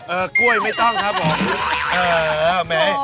เออกล้วยไม่ต้องครับผม